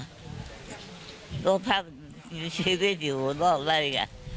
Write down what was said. รถทัพชีวิตอยู่รอบได้ไง